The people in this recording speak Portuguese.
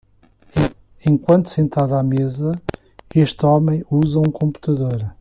Enquanto sentado à mesa, este homem usa um computador.